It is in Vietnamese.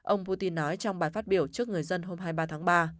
ông putin nói trong bài phát biểu trước người dân hôm hai mươi ba tháng ba